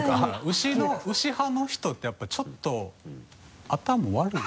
牛派の人ってやっぱちょっと頭悪い。